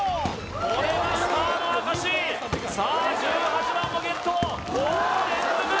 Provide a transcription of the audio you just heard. これがスターの証しさあ１８番もゲットおお連続